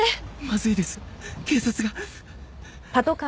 まずいです警察が。